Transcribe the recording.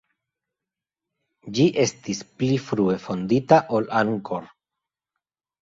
Ĝi estis pli frue fondita ol Angkor.